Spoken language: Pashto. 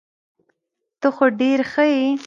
ته خو ډير ښه يي .